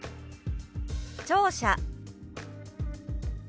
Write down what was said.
「聴者」。